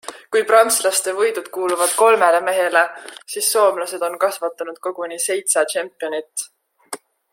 Kui prantslaste võidud kuuluvad kolmele mehele, siis soomlased on kasvatanud koguni seitse tšempionit.